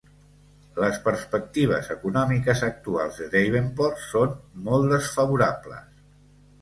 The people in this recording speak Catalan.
Les perspectives econòmiques actuals de Davenport són molt desfavorables.